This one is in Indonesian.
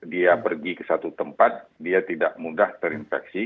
dia pergi ke satu tempat dia tidak mudah terinfeksi